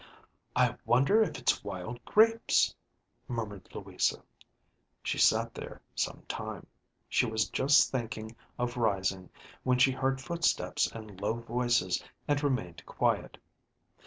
"I wonder if it's wild grapes?" murmured Louisa. She sat there some time. She was just thinking of rising, when she beard footsteps and low voices, and remained quiet.